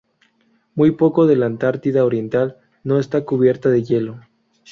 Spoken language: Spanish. Muy poco de la Antártida Oriental no está cubierta de hielo.